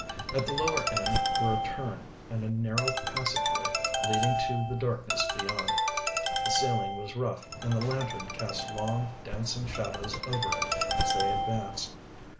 At the lower end were a turn and a narrow passageway leading to the darkness beyond. The ceiling was rough, and the lantern cast long, dancing shadows over it as they advanced.